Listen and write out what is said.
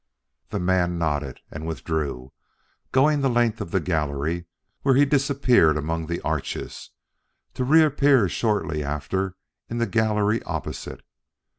The man nodded and withdrew, going the length of the gallery, where he disappeared among the arches, to reappear shortly after in the gallery opposite.